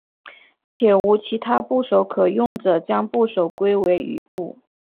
且无其他部首可用者将部首归为羽部。